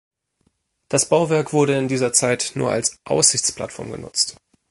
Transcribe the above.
Das Bauwerk wurde in dieser Zeit nur als Aussichtsplattform genutzt.